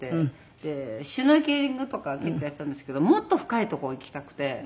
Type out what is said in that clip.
でシュノーケリングとか結構やったんですけどもっと深い所行きたくて。